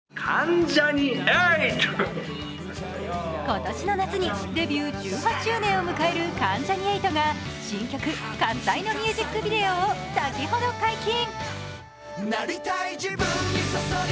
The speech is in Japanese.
今年の夏にデビュー１８周年を迎える関ジャニ∞が新曲「喝采」のミュージックビデオを先ほど解禁。